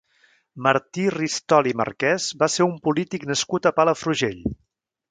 Martí Ristol i Marquès va ser un polític nascut a Palafrugell.